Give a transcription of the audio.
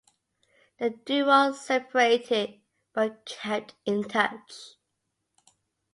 The duo separated but kept in touch.